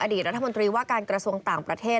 รัฐมนตรีว่าการกระทรวงต่างประเทศ